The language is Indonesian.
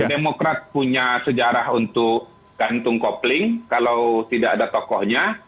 demokrat punya sejarah untuk gantung kopling kalau tidak ada tokohnya